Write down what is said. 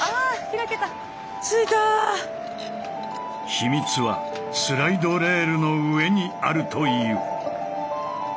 秘密はスライドレールの上にあるという。